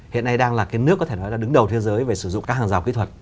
hiện nay đang là cái nước có thể nói là đứng đầu thế giới về sử dụng các hàng rào kỹ thuật